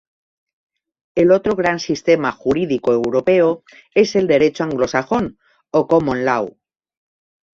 El otro gran sistema jurídico europeo es el Derecho anglosajón o "Common Law".